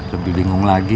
lebih bingung lagi